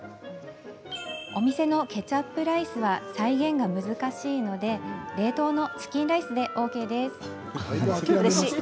お店のケチャップライスは再現が難しいので冷凍のチキンライスでＯＫです。